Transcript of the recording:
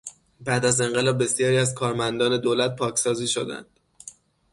بعد از انقلاب بسیاری از کارمندان دولت پاکسازی شدند.